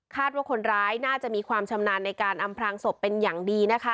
ว่าคนร้ายน่าจะมีความชำนาญในการอำพลางศพเป็นอย่างดีนะคะ